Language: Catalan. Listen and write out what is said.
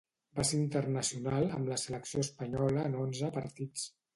Va ser internacional amb la selecció espanyola en onze partits.